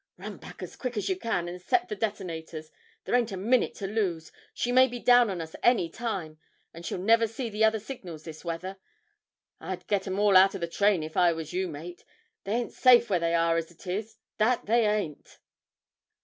'Run back as quick as you can and set the detonators there ain't a minute to lose, she may be down on us any time, and she'll never see the other signals this weather. I'd get 'em all out of the train if I was you, mate they ain't safe where they are as it is, that they ain't!'